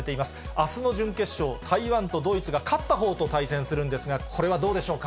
あすの準決勝、台湾とドイツが勝ったほうと対戦するんですが、これはどうでしょ